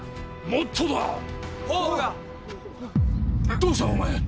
どうしたお前！